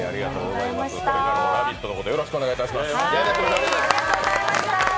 「ラヴィット！」のことよろしくお願いします。